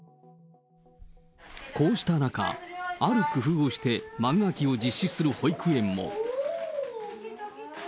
こうした中、ある工夫をして、豆まきを実施する保育園も。